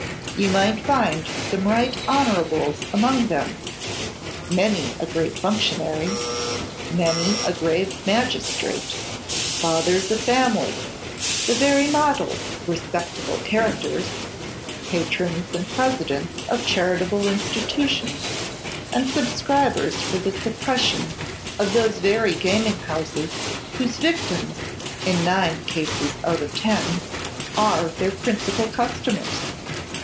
You might find some Right Honourables among them; many a great functionary, many a grave magistrate; fathers of families, the very models of respectable characters, patrons and presidents of charitable institutions, and subscribers for the suppression of those very gaming houses whose victims, in nine cases out of ten, are their principal customers.